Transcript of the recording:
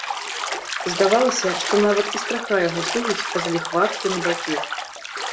Здавалася, што нават і страха яго служыць па-заліхвацку набакір.